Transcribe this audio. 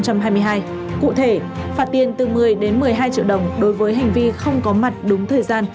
cụ thể phạt tiền từ một mươi đến một mươi hai triệu đồng đối với hành vi không có mặt đúng thời gian